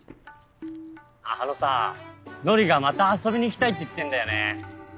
あのさのりがまた遊びに行きたいって言ってんだよね。